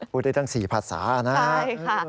ได้ตั้ง๔ภาษานะครับ